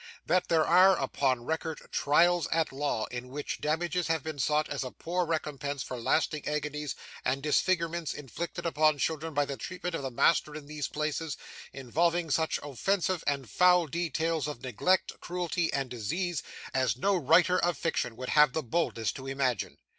That there are, upon record, trials at law in which damages have been sought as a poor recompense for lasting agonies and disfigurements inflicted upon children by the treatment of the master in these places, involving such offensive and foul details of neglect, cruelty, and disease, as no writer of fiction would have the boldness to imagine.